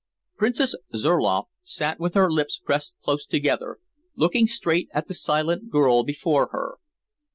Princess Zurloff sat with her lips pressed close together, looking straight at the silent girl before her.